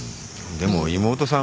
でも妹さん